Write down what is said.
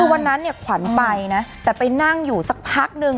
คือวันนั้นเนี่ยขวัญไปนะแต่ไปนั่งอยู่สักพักนึง